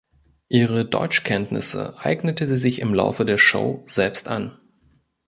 Ihre Deutschkenntnisse eignete sie sich im Laufe der Show selbst an.